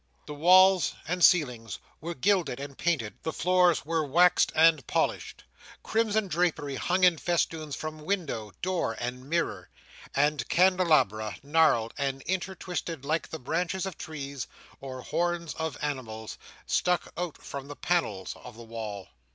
The walls and ceilings were gilded and painted; the floors were waxed and polished; crimson drapery hung in festoons from window, door, and mirror; and candelabra, gnarled and intertwisted like the branches of trees, or horns of animals, stuck out from the panels of the wall.